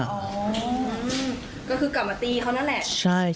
ก็คือกลับมาตีเขานั่นแหละ